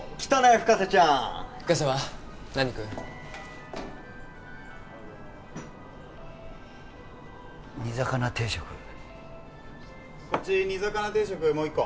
深瀬ちゃん深瀬は何食う？煮魚定食こっち煮魚定食もう一個